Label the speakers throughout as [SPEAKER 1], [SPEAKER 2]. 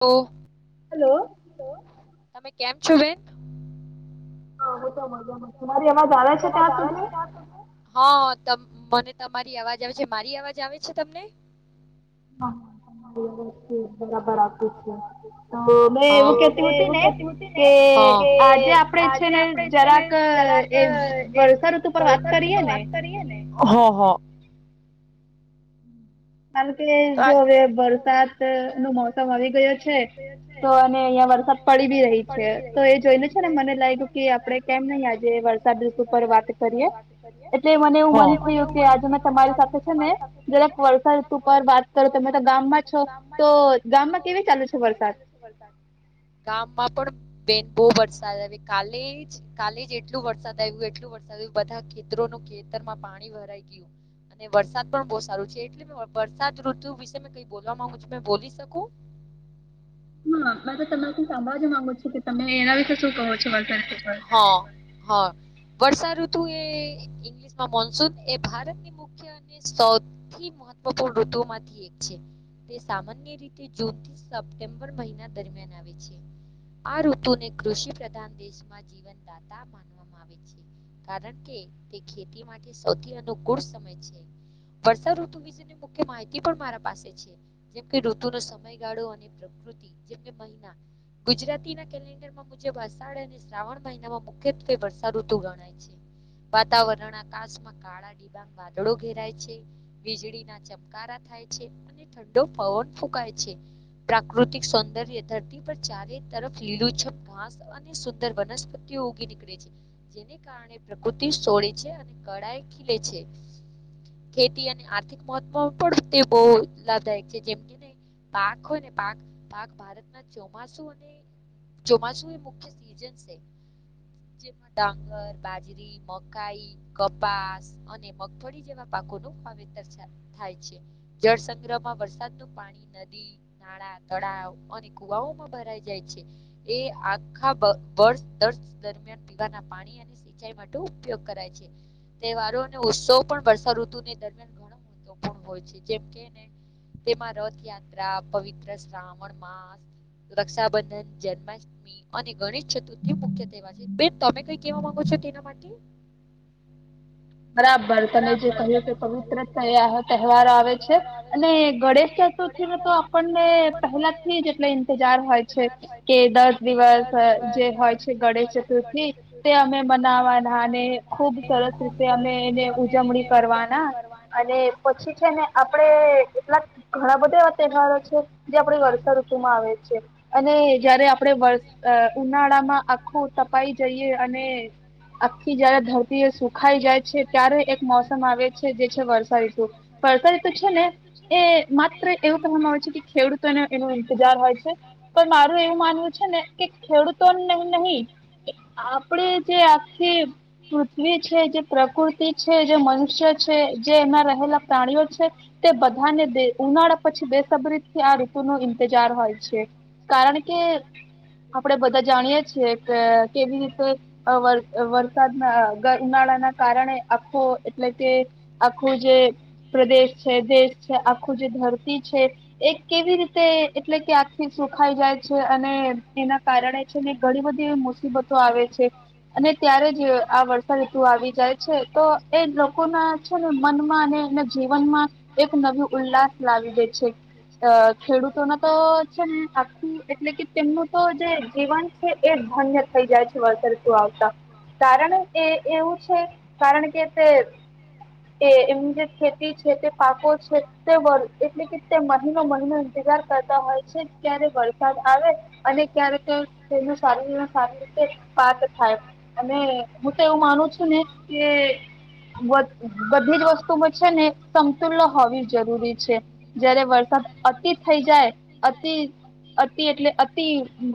[SPEAKER 1] તો.
[SPEAKER 2] Hello
[SPEAKER 1] hello તમે કેમ છો બેન માં જલે છે ત્યાં તને હા, મને તમારી અવાજ આવે છે મારી અવાજ આવે છે તમને? [inaudible] ભાઈ કેતી હો [inaudible] કે આજે આપડે છે ને [inaudible] વસારથ ઉપર વાત કરીએ ને હ હ
[SPEAKER 2] કારણ કે જો હવે વરસાદ નું મોસમ આવી ગયો છે, તો અને અહિયાં વરસાદ પડી બી રહી છે તો એ જોઈને છે ને મને લાગ્યું કે આપડે કેમ નહી આજે વરસાદઋસ ઉપર વાત કરીએ એટલે મને એવું મન થયું કે આજે મેં તમારી સાથે
[SPEAKER 1] તમારી સાથે
[SPEAKER 2] જરાક વરસાદ ઋતુ પરર વાત કરો તમે તો ગામમાં છો તો ગામમાં કેવી ચાલુ છો, વરસાદ
[SPEAKER 1] ગામમાં પણ બેન બો વરસાદ હવે કાલે જ કાલે જ એટલું વરસાદ આવ્યું એટલું વરસાદ આવ બધા ખેતરોનું ખેતર માં પાણી ભરાઈ ગયું. વરસાદ પણ બહ સારું છે એટલે મે વરસાદ [inaudible] વિશે કઈ બોલ ગુ છ બોલી શકું? [inaudible] [unintelligible] વર્ષાઋતુ એ ઇંગ્લશમાં મોન્સૂન એ ભારતની મુ મુખ અને સૌથી મહત્વપૂર્ણ ઋતુમાં રીથી સપેમ્બર મહિના દરમિયાન આવે છે, આ ઋતુ ને કૃષિ પ્રધાન દેશમાં જીવનદાતા માનવામાં આવે છે. કારણ કે તે ખેતી માટે સૌથી અનુકૂળ સમય છે, વર્ષઋતુ વિશેને મુખ્ય માહિતી, પણ મારા પાસે છે જેમકે ઋતુ ન સમયગાળો અને પ્રકૃતિ જેમકે મહિના ગુજરાતી ના કેલેન્ડર મુજબ અષાઢ અને શ્રાવણ મહિનામાં મુખ્યત્વે વર્ષાઋતુ ગણાય છે, વાતાવરણ આકાશમાં કાળા ડિબાંગ વાદળો ઘેરાય છે, વીજળીના ચમ કારા થાય છે અને ઠંડો પવન ફૂંકાય છે. પ્રાકૃતિક સૌંદર્ય ધરતી પર ચારે તરફ લીલું છમ ઘાસ અને સુંદર વનસ્પતિઓ ઉગી નીકળે છે. તેને કારણે પ્રકૃતિ સોડે છે અને કળાએ ખીલે છે, ખેતી અને આર્થિક મહત્વ પણ તે બહ લાભદાયક છે જેમ પાક હોય ને પાક પાક ભારતના ચોમાસુ ચોમાસું એ મુખય સીઝન છે. જેમાં ડાંગર બાજરી મકાઈ કપાસ અને મગફળી જેવા પાકો નું વાવેતર થાય છે જળ સંગ્રહમાં વરસાદ ન પાણી નદી નાળ તળાવ અને કુવાઓમાં ભરાઈ જાય છે, એ આખા [inaudible] દરમિયાન પીવાના પાણી ઉપયો કરાય છે તહેવારો ઉત્સવ પણ વર્ષા ઋતુ દરમિયાન હોય જે તેમાં રથયાત્રા પવિત્ર શ્રાવણ માસ રક્ષાબંધન જન્માષ્ટમ અને ગણેશ ચતુર્થી મુખ્યવા છે, બેન તમે કઈ કેવા માંગો છો તેના માટે
[SPEAKER 2] બરાબર તમે જે કહ્યું કે પવિત્ર થયા તહેવારો આવે છે અને ગણેશ ચતુર્થીમાં તો આપણને પહેલા થી જેટલા ઇંતજાર હોય કે દસ દિવસ જે હોય છે ગણેશ ચતુર્થી તે અમે બનાવાની ને ખુબ સરસ રીતે અમે એને ઉજવણી કરવાના અને પછી છે ને આપણે કેટલાક ઘણા બધા એવા તહેવારો છે જે આપણે વર્ષા ઋતુ માં આવે છે. અને જયારે આપણેે વ ઉનાળામાં આખું તપાઈ જઈએ અને આખી જયારે ધરતી સુખાઈ જાય છે ત્યારે એક મોસમ આવે છે જે છે વરસાદ પસા તો છે ને એ માત્ર એવું કહેવામાં આવે છે કે ખેડૂતોને એનો ઇંતજાર હોય છે પણ મારું એવું માનવું છે ને કે ખેડૂતો નહી આપણે જે આખી પૃથ્વી છે જે પ્રકૃતિ છે જે મનુષ્ય છે જે એના રહેલા પ્રાણીઓ છે તે બધાને ઉનાળા પછી બેસબરીથી આ ઋતુનોો ઇંતજાર હોય છે કારણ કે આપણે બધા જાણીએ છીએ કે કેવી રીતે વરસાદના ઉનાળા ના કારણે આખો એટલે કે આખું જે પ્રદેશ છે દેશ છે આખું જે ધરતી છે એ કેવી રીતે એટલે કે આખથી સુખાય જાય છે અને એના કારણે ઘણી બધી મુસીબતો આવે છે અને ત્યારે જ આ વર્ષ તુ આવી જાય છે તો એ લોકો ના મનમાં અને એમને જીવનમાં એક નવી ઉલ્લાસ લાવી દે છે અ ખેડૂતો ન તો છે ને આખું એટલે કે તેમનું તો જે જીવન એ ધન્ય થઈ જાય છે વર્સરતું આવતા કારણ એ એવું છે કારણ કે તે એ એમની જે ખેતી છે તે પાકો છે તે વર્ એટલે કે તે મહિનો મહિનો જાર કરતા હોય છે ક્યારે વરસાદ આવે અને ક્યારેક તેમને સારીરને સારી રીતે પાક થાય અને હું તો એવું માનું છું ને કે બધી જ વસ્તુમાં છે ને સમતુલ હોવી જરૂરી છે જયારે વરસાદ અતિ થઇ જાય અતિ અતિ એટલે અતિ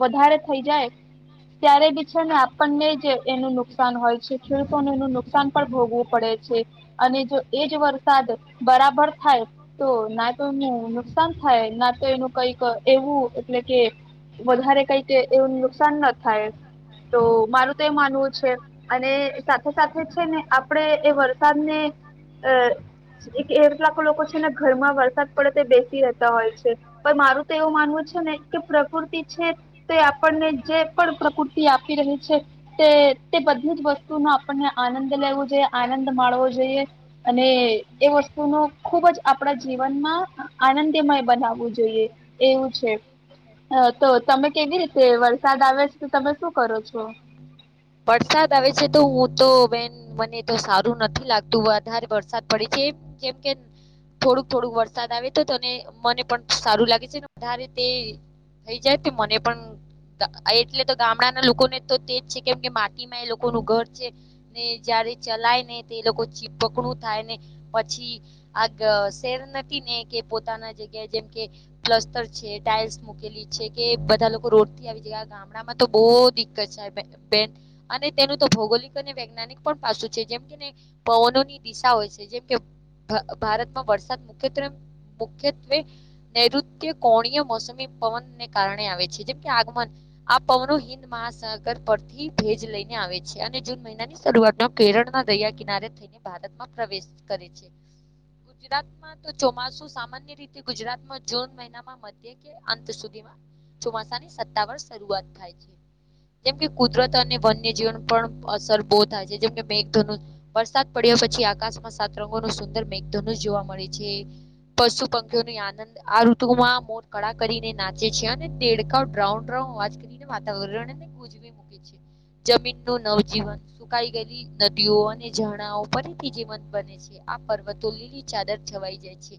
[SPEAKER 2] વધારે થઈ જાય ત્યારે બી છે ને આપણને જ એનું નુકસાન હોય છે ખેડૂતોને એનું નુકસાન પણ ભોગવું પડે છે અને જો એજ વરસાદ બરાબર થાય તો ના તો એનું નુકસાન થાય ના તો એનું કઈક એવું એટલે કે વધારે કઈ કે એવું નુકસાન ન થાય તો મારું તો એ માનવું છે અને સાથે સાથે છે ને આપણે એ વરસાદને અ એક એટલાક લોકો છે ને ઘરમાં વરસાદ પડે તે બેસી રહેતા હોય છે પણ મારું તો એવું માનવું છે ને કે પ્રકૃતિ છે તે આપણને જે પણ પ્રકૃતિ આપી રહી છે તે તે બધી જ વસ્તુ ન આપણને આનંદ લેવો જોઈએ આનંદ માણવો જોઈએ અને એ વસ્તુ ન ખુબ જ આપણા જીવનમાં આનંદમય બનાવવું જોઈએ એવું છે હ તો તમે કેવી રીતે વરસાદ આવે છે તો તમે શું કરો છો
[SPEAKER 1] વરસાદ આવે છે તો હું તો બેન મને તો સારું નથી લાગતું વધારે વરસાદ પડે છે એમ કેમ કે થોડુંક થોડુંક વરસાદ આવે તો તને મને પણ સારું લાગે છે વધારે તે થઈ જાય મને પણ એટલે તો ગામડાના લોકોને તો તેજ છે કેમ કે માટીમાં એ લોકો નું ઘર છે ને જ્યારે ચલાય ને તે એ લોકો ચીપકડું થાય ને પછી આ શેર નથી ને કે પોતાના જગ્યા જેમ કે પ્લસ્ટર છે ટાઈલ્સ મકેલી છે કે બધા લોકો રોડ થી આવી જ ગામડામાં તો બહ દિકકત છે અને તેનું તો ભૌગોલિક અને વૈજ્ઞાનિક પણ પાસું છે જેમ કેને પવનોની દિશા હોય છે જેમ કે ભારતમાં વરસાદ મુખ્યત્વે મુખ્યત્વે નૈઋત્ય કોણીય મોસમી પવનને કારણે આવે છે જેમ કે આગમન આ પવનો હિન્ંદ મહાસાગર પ થી ભેજ લઈને આવે છે અને જૂન મહિનાની શરૂઆતમાં કેરળના દરિયા કિનારે થઈ ભારતમાં પ્રવેશ કરે છે. ગુજરાતમાં તો ચોમાસુ સામાન્ય રીતે ગુજરાતમાં જૂન મહિનામાં ચોમાસાની સત્તાવાર શરૂવાત થાય છે જેમ કુદરત અને વન્ય જીવન પણ અસર બહુ થાય છે જેમ કે મેઘધન વરસાદ પડ્યા પછી આકાશમાં સાતરંગો ન સુંદર મેઘધન જ જોવા મળે છે. પશુ પંખીઓની આનંદ આ ઋતુમાં મોર કળા કરીને નાચે છે અને દેડકાવ ડ્રાઉન ડાઉ વાતાવરણ ગજવી મૂકે છે જમીન નું નવજીવન સુકાઈ ગયેલી નદીઓ અને ઝરણાઓ ફરીથી જીવંત બને છે. આ પર્વતો લીલી ચાદર જવાઈ જાય છે.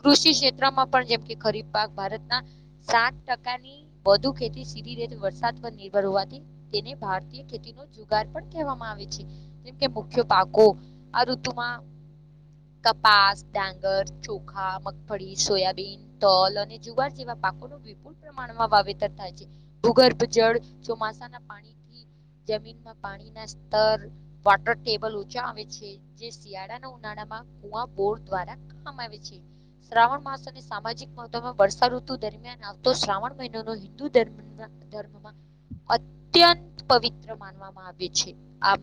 [SPEAKER 1] કૃષિ ક્ષેત્રમાં પણ જેમ કે ખરીફ પાક ભારતના સાત ટકાની વધુ ખેતી સીધી રીતે વરસાદ પર નિર્ભર હોવાથી તેને ભારતીય ખેતીનો જુગાર પણ કહેવામાં આવે છે જેમકે મુખ્ય પાકો આ ઋતુમાં કપાસ ડાગર ચોખા મગફળી સોયાબીન તલ અને જુવાર જેવા પાકોનું પ્રમાણમાં વાવેતર થાય છે ભૂગર્ભ જળ ચોમાસાના પાણી જમીનમાં પાણીના સ્તર વોટર ટેબલ ઓછા આવે છે જે શિયાળાના ઉનાળામાં કુવા બોર્ડ દ્વારા કામ આવે છે. શ્રાવણ માસ અને સામાજિક મહત્વમાં વર્ષાઋતુ દરમિયાન આવતો શ્રાવણ મહિનો ન હિન્દુ ધર્મ અત્યંત પવિત્ર માનવા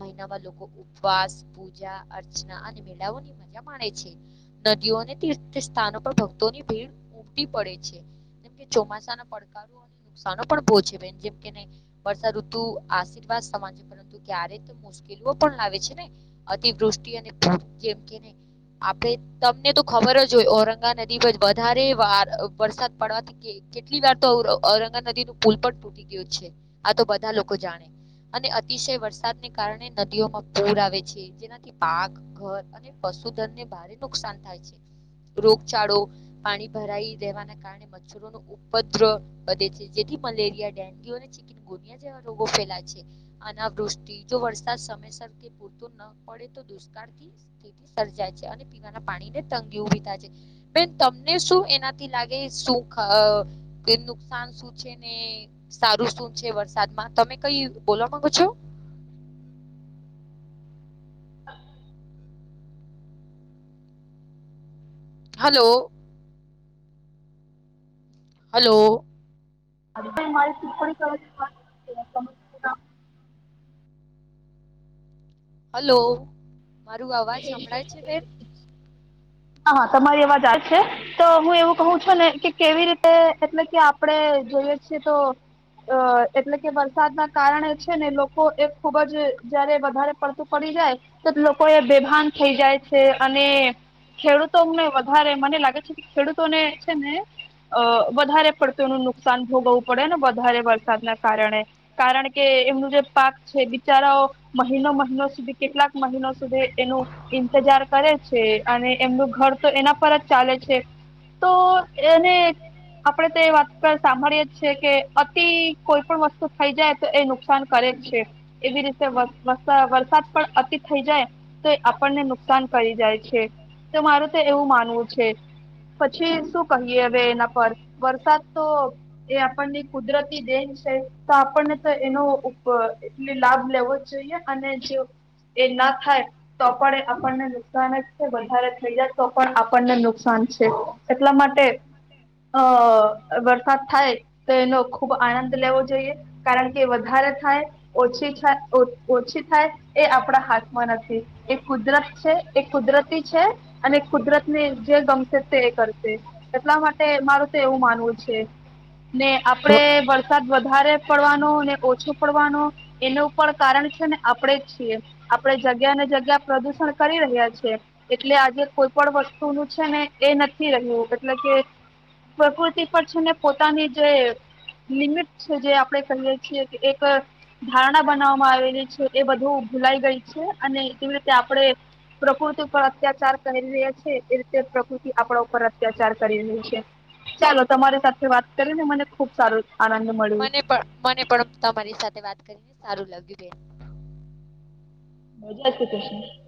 [SPEAKER 1] મહિનામાં લોકો ઉપવાસ પૂજા અર્ચના અને મેળાઓની માણે છે નદીઓ અને તીર્થ સ્થાનો પર ભક્તોની ભીડ ઉમટી પડે છે. જેમ કે ચોમાસાના પડકારો અને નુકસાાન પણ બહુ છે બેન જેમ કે વર્ષા ઋતુ આશીર્વાદ સમાન છે પરંતુ ક્યારે મુશ્કેલી પણ લાવે છે ને અતિવૃષ્ટિ અને જેમ કેને આપે તમને તો ખબર જ હોય ઔરંગા નદી પર વધારે વા વરસાદ પડવાથી કે કેટલી વાર તો ઓ ઔરંગા નદી નું પુલ પણ તૂટી ગયું છે આ તો બધા લોકો જાણે અને અતિશય વરસાદને કારણે નદીઓમાં પૂર આવે છે જેનાથી પાક ઘર પશુધન ને ભારે નુકસાન થાય છે. રોગચાળો પાણી ભરાઈ રહેેવાના કારણે મ મછ ઉપ્ર વધે છે જેથી મલેરિયા ડેન્ગ્યુ અને ચ જેવા રોગો ફેલાય છે અતી વૃષ્ટિ જો વરસાદ સમયસર કે પૂરતો ન પડે દુષ્કાળ થી સ્થિતિ સર્જાય છે અને પીવાના પાણી ને તંગી ઉભી થાય છે. બેન તમને શું એનાથી લાગે શું ખ નુકસાન શું છે ને સારું શું છે વરસાદમાં તમે કઈ બોલવા માંગો છો હલો. હલો.
[SPEAKER 2] અ મા
[SPEAKER 1] હલો મારું અવાજ હભળાય છે બેન
[SPEAKER 2] હા તમારી અવાજ આવે છે તો હું એવું કહું છું ને કે કેવી રીતે એટલે કે આપડણે જોઈએ છીએ તો અ એટલે કે વરસાદ ના કારણે છે ને લોકો એ ખુબ જ જયારે વધારે પડતું પડી જાય તો લોકો એ બેભાન થઈ જાય છે અને ખેડૂતોને વધારે મને લાગે છેકે ખેડૂતોને છેને. અ વધારે પડતુંનું નુકસાન ભોગવવું પડે ને વધારે વરસાદના કારણે. કારણ કે, એમનું જે પાક છે બિચારાઓ મહિનો મહિનો સુધી કેટલાક મહિનો સુધી તેનું ઈંતજાર કરે છે અને એમનું ઘર તો એના પર જ ચાલે છે તો અને આપણેે તો એ વાત પણ સાંભળીએે જ છેકે અતિ કોઈ પણ વસ્તુ થઈ જાય તો એ નુકસાન કરે જ છે. એવી રીતે વર વરસાદ પણ અતિ થઈ જાય. તો આપણને નુકસાન કરી જાય છે તો મારું તો એવું માનવું છે. પછી શું કહીએ હવે એના પર વરસાદ તો. એ આપણને કુદરતી દેન છે તો આપણને તો એનો ઉપ એટલે લાભ લેવો જોઈએ અને જો એ ના થાય. તો પણ આપણને નુકસાન જ છે વધારે થઈ જ તો પણ આપણને નુકસાન છે. એટલા માટે. અ વરસાદ થાય તો એનો ખુબ આનંદ લેવો જોઈએ. કારણ કે વધારે થાય. ઓછી ઓછી થાય એ આપણા હાથમાં નથી. એ કુદરત છે એ કુદરતી છે. અને કુદરતને જે ગમશે તે એ કરશે. એટલા માટે મારું તો એવું માનવું છે. ને આપડે વરસાદ વધારે પડવાનો ને ઓછો પડવાનો. એનું પણ કારણ છેને આપણેે જ છીએ આપણેે જગ્યા ને જગ પ્રદુષણ કરી રહ્યા છે. એટલે આજે કોઈ પણ વસ્તુનું છેને એ નથી રહ્યું મતલબ કે પ્રકૃતિ પર છે ને પોતાની જે લિમિત છે જે આપણે કહીયએ છીએ કે એક અ ધારણા બનાવવામાં આવેલી છે એ બધું ભૂલાઈ ગઈ છે અને કેવી રીતે આપણે પ્રકૃતિ ઉપર અત્યાચાર કરી રહ્યા છે એ રીતે પ્રકૃતિ આપણા ઉપર અત્યાચાર કરી રહી છે. ચાલો તમારી સાથે વાત કરીને મને ખુબ સારું. આનંદ મળી.
[SPEAKER 1] મને પણ, મને પણ તમારી સાથે વાત કરીને સારું લાગ્યું બેન.
[SPEAKER 2] [unintelligible]